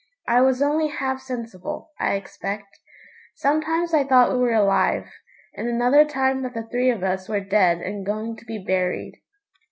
I was only half sensible, I expect. Sometimes I thought we were alive, and another time that the three of us were dead and going to be buried.